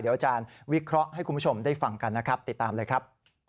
เดี๋ยวอาจารย์วิเคราะห์ให้คุณผู้ชมได้ฟังกันนะครับติดตามเลยครับ